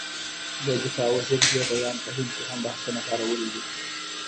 د دفاع وزیر دې بیان په هند کې هم بحثونه پارولي دي.